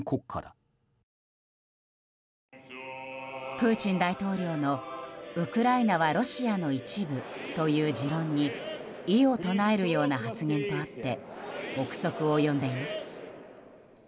プーチン大統領のウクライナはロシアの一部という持論に異を唱えるような発言とあって憶測を呼んでいます。